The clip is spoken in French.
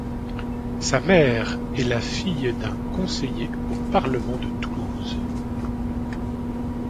Sa mère est la fille d'un Conseiller au Parlement de Toulouse.